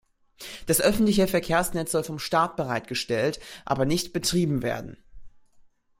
Das öffentliche Verkehrsnetz soll vom Staat bereitgestellt, aber nicht betrieben werden.